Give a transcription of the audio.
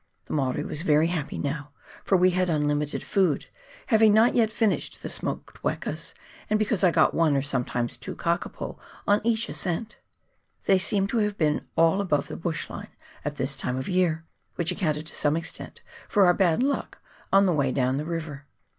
The Maori was very happy now, for we had unlimited food, having not yet finished the smoked wekas, and because I got one, or sometimes two, kakapo on each ascent ; they seemed to have been all above the bush line at this time of year, which accounted to some extent for our bad luck on the way down the river.